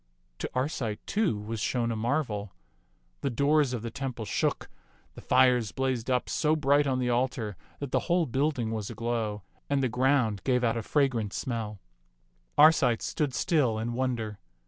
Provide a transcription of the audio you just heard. To Arcite, too, was shown a marvel. The doors of the temple shook, the fires blazed up so bright on the altar that the whole building was aglow, and the ground gave out a fra grant smell. Arcite stood still in wonder.